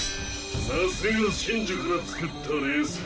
さすが神樹から作った霊槍。